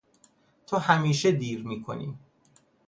تو همیشه دیر میکنی!